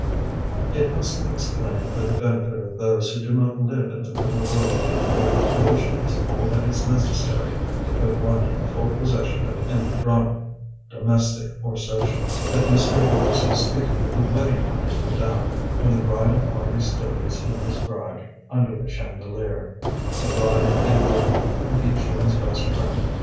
It must be explained for the benefit of those who do not live in the little world where an allusion is all that is necessary to put one in full possession of any drama, domestic or social, that Mr. Horace was speaking of the wedding night of madame, when the bridal party stood as he described under the chandelier; the bride and groom, with each one's best friend.